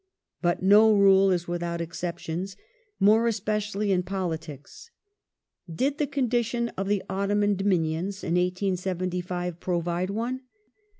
But no rule is without exceptions, more especially in politics. Did the condition of the Ottoman dominions in 1875 provide one?